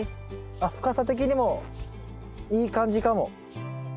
あっ深さ的にもいい感じかも。